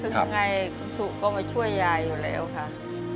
คุณสูอ่ะก็มาช่วยยายอยู่แล้วค่ะ